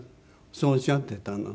そうおっしゃってたの。